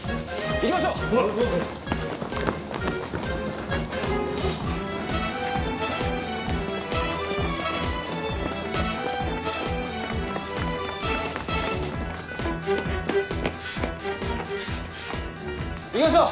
行きましょう。